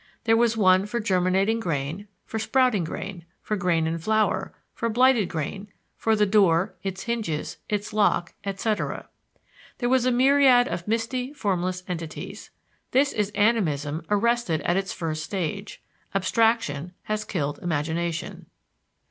There was one for germinating grain, for sprouting grain, for grain in flower, for blighted grain; for the door, its hinges, its lock, etc. There was a myriad of misty, formless entities. This is animism arrested at its first stage; abstraction has killed imagination.